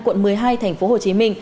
quận một mươi hai tp hcm